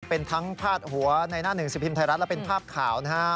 เป็นทั้งพาดหัวในหน้าหนึ่งสิบพิมพ์ไทยรัฐและเป็นภาพข่าวนะฮะ